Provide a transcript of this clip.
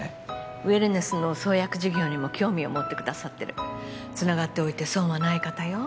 ウェルネスの創薬事業にも興味を持ってくださってるつながっておいて損はない方よ